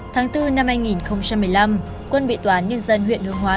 tháng bốn năm hai nghìn một mươi năm quân bị tòa án nhân dân huyện hương hóa